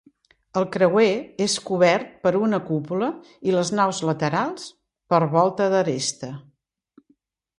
El creuer és cobert per una cúpula i les naus laterals per volta d'aresta.